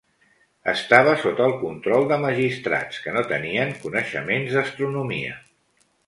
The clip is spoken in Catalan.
Estava sota el control de magistrats que no tenien coneixements d'astronomia.